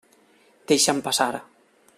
Deixa'm passar.